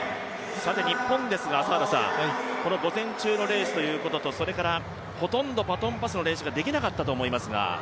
日本ですがこの午前中のレースということとそれから、ほとんどバトンパスの練習ができなかったと思いますが。